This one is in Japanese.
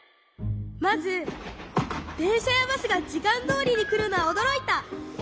まずでんしゃやバスがじかんどおりにくるのはおどろいた！